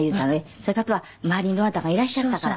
そういう方は周りにどなたかいらっしゃったから。